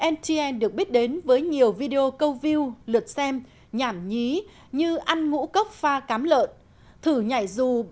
ntn được biết đến với nhiều video câu view lượt xem nhảm nhí như ăn ngũ cốc pha cám lợn thử nhảy dù